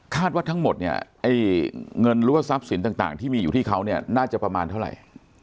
ว่าทั้งหมดเนี่ยไอ้เงินหรือว่าทรัพย์สินต่างที่มีอยู่ที่เขาเนี่ยน่าจะประมาณเท่าไหร่